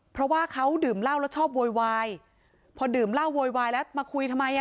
เพราะว่าเขาดื่มเหล้าแล้วชอบโวยวายพอดื่มเหล้าโวยวายแล้วมาคุยทำไมอ่ะ